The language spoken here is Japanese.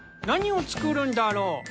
何を作るんだろう。